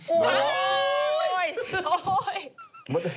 โอ๊ยโอ๊ย